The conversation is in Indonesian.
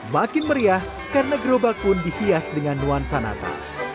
makin meriah karena gerobak pun dihias dengan nuan sanata